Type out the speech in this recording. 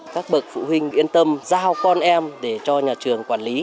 các bậc phụ huynh yên tâm giao con em để cho nhà trường quản lý